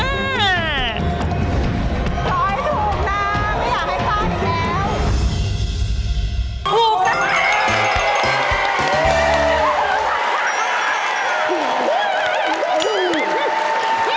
ร้อยถูกนะไม่อยากให้ฝากอีกแล้ว